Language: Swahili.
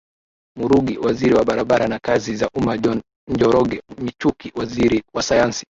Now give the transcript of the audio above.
Murungi Waziri wa barabara na kazi za umma John Njoroge Michuki Waziri wa sayansi